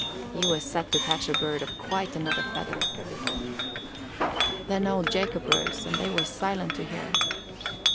He was set to catch a bird of quite another feather. Then old Jacob rose and they were silent to hear him.